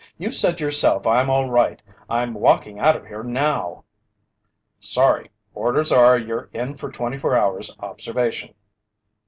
"You said yourself I'm all right. I'm walking out of here now!" "Sorry. Orders are you're in for twenty four hours observation."